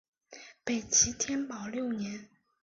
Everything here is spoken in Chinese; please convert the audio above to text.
北齐天保六年。